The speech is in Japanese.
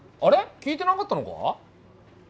聞いてなかったのか？